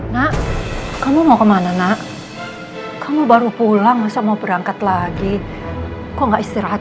nak kamu mau kemana nak kamu baru pulang masa mau berangkat lagi kok gak istirahat